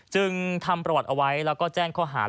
จึงทำประวัติเอาไว้แล้วก็แจ้งข้อหา